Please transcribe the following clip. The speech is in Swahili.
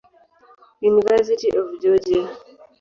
University of Georgia.